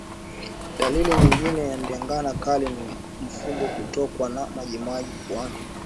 Dalili nyingine ya Ndigana Kali ni mfugo kutokwa na majimaji puani